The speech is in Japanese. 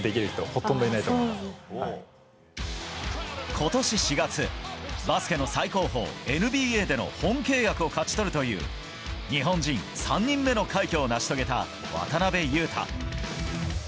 今年４月バスケの最高峰ＮＢＡでの本契約を勝ち取るという日本人３人目の快挙を成し遂げた渡邊雄太。